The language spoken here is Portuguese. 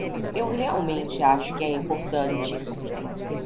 Eu realmente acho que é importante.